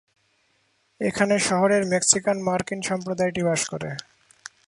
এখানে শহরের মেক্সিকান-মার্কিনী সম্প্রদায়টি বাস করে।